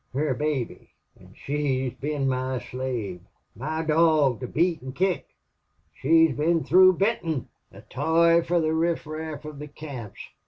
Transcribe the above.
Her baby!... An' she's been my slave my dog to beat an' kick! She's been through Benton! A toy fer the riff raff of the camps!...